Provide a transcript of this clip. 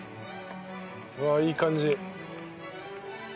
うわあいい感じ。